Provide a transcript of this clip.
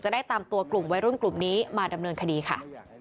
ได้ตามตัวกลุ่มวัยรุ่นกลุ่มนี้มาดำเนินคดีค่ะ